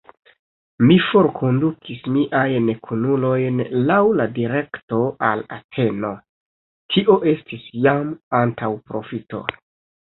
Mi forkondukis miajn kunulojn laŭ la direkto al Ateno: tio estis jam antaŭprofito.